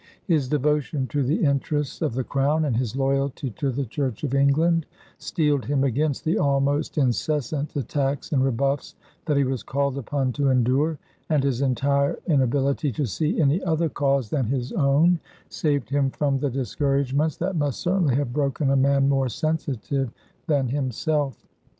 His devotion to the interests of the Crown and his loyalty to the Church of England steeled him against the almost incessant attacks and rebuffs that he was called upon to endure, and his entire inability to see any other cause than his own saved him from the discouragements that must certainly have broken a man more sensitive than himself.